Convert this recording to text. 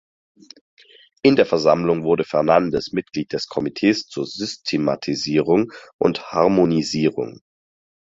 In der Versammlung wurde Fernandes Mitglied des Komitees zur Systematisierung und Harmonisierung.